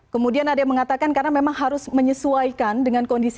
kemudian ada yang mengatakan karena memang harus menyesuaikan dengan kondisi